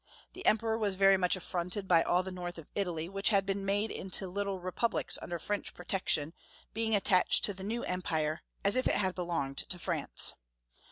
The Emperor was very much affronted by all the North of Italy, which had been made into little Re publics under French protection, being attached to the new Empire, as if it had belonged to France.